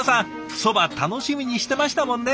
そば楽しみにしてましたもんね。